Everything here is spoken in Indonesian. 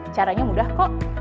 caranya mudah kok